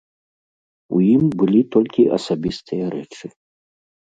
У ім былі толькі асабістыя рэчы.